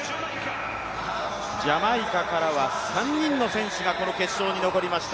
ジャマイカからは３人の選手がこの決勝に残りました。